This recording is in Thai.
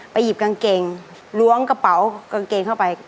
หยิบกางเกงล้วงกระเป๋ากางเกงเข้าไป